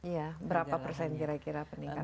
ya berapa persen kira kira peningkatan